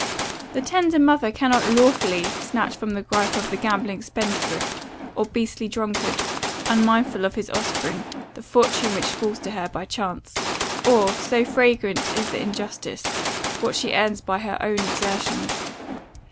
"The tender mother cannot lawfully snatch from the gripe of the gambling spendthrift, or beastly drunkard, unmindful of his offspring, the fortune which falls to her by chance; or (so flagrant is the injustice) what she earns by her own exertions.